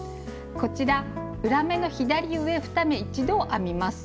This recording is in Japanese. こちら「裏目の左上２目一度」を編みます。